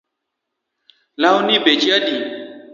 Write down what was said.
Lawni beche adi?